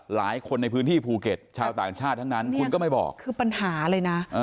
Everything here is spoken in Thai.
หลายคนในพื้นที่ภูเก็ตชาวต่างชาติทั้งนั้นคุณก็ไม่บอกคือปัญหาเลยนะ